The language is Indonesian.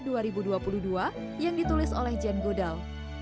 dan menangkan nominasi ke dua dua ribu dua puluh dua yang ditulis oleh jen godal